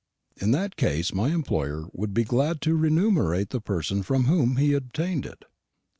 "In that case my employer would be glad to remunerate the person from whom he obtained it."